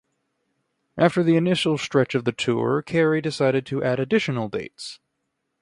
After the initial stretch of the tour, Carey decided to add additional dates.